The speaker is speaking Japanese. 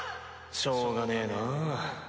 しょうがねえなぁ